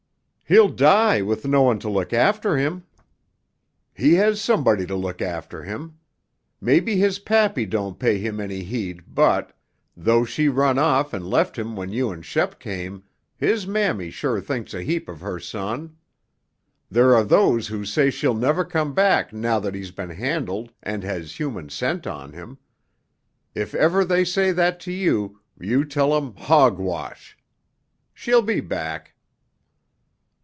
"He'll die with no one to look after him!" "He has somebody to look after him. Maybe his pappy don't pay him any heed but, though she run off and left him when you and Shep came, his mammy sure thinks a heap of her son. There are those who say she'll never come back now that he's been handled and has human scent on him. If ever they say that to you, you tell 'em, 'Hogwash.' She'll be back."